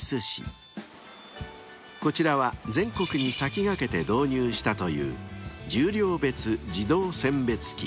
［こちらは全国に先駆けて導入したという重量別自動選別機］